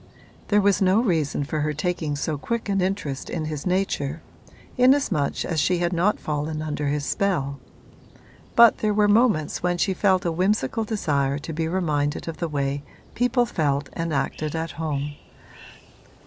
There was no reason for her taking so quick an interest in his nature, inasmuch as she had not fallen under his spell; but there were moments when she felt a whimsical desire to be reminded of the way people felt and acted at home.